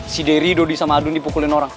si dery dodi sama adun dipukulin orang